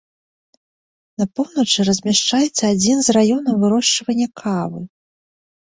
На поўначы размяшчаецца адзін з раёнаў вырошчвання кавы.